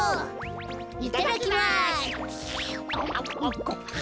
いただきます！